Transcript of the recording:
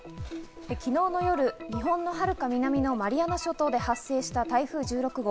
昨日の夜、日本の遥か南のマリアナ諸島で発生した台風１６号。